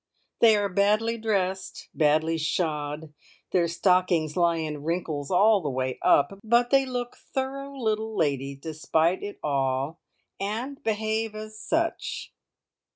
They are badly dressed, badly shod, their stockings lie in wrinkles all the way up, but they look thorough little ladies despite of all, and "behave as sich".